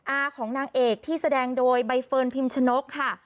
อาของนางเอกที่แสดงโดยใบเฟิร์นพิมชนกค่ะ